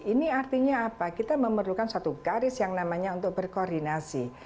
ini artinya apa kita memerlukan satu garis yang namanya untuk berkoordinasi